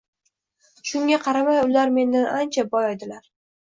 Shunga qaramay, ular mendan ancha boy edilar